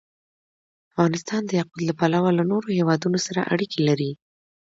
افغانستان د یاقوت له پلوه له نورو هېوادونو سره اړیکې لري.